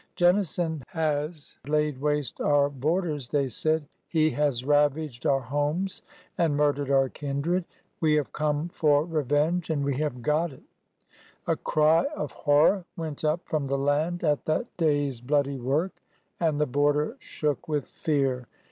Jennison has laid waste our borders," they said. He has ravaged our homes and murdered our kindred. We have come for revenge,— and we have got it I " A cry of horror went up from the land at that day's 19 289 290 ORDER NO. 11 bloody work, and tfie border shook with fear.